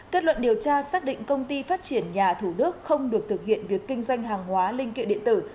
kết luận điều tra xác định công ty phát triển nhà thủ đức không được thực hiện việc kinh doanh hàng hóa linh kiện điện tử